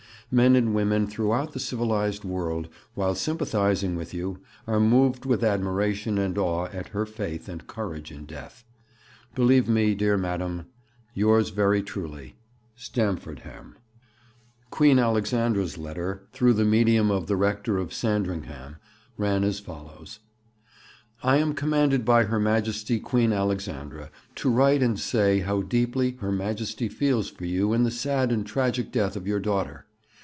Men and women throughout the civilized world, while sympathizing with you, are moved with admiration and awe at her faith and courage in death. 'Believe me, dear Madam, yours very truly, 'STAMFORDHAM.' Queen Alexandra's letter, through the medium of the Rector of Sandringham, ran as follows: 'I am commanded by Her Majesty Queen Alexandra to write and say how deeply Her Majesty feels for you in the sad and tragic death of your daughter.